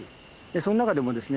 その中でもですね